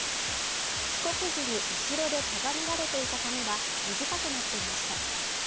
帰国時に後ろで束ねられていた髪は短くなっていました。